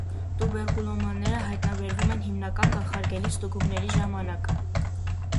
Տուբերկուլոմաները հայտնաբերվում են հիմնականում կանխարգելիչ ստուգումների ժամանակ։